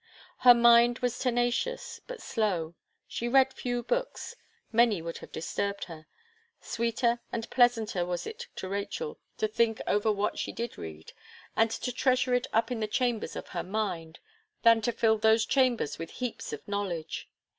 Her mind was tenacious, but slow; she read few books many would have disturbed her. Sweeter and pleasanter was it to Rachel to think over what she did read, and to treasure it up in the chambers of her mind, than to fill those chambers with heaps of knowledge.